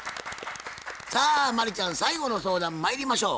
さあ真理ちゃん最後の相談まいりましょう。